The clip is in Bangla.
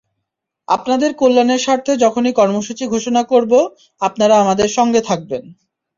আপনাদের কল্যাণের স্বার্থে যখনই কর্মসূচি ঘোষণা করব, আপনারা আমাদের সঙ্গে থাকবেন।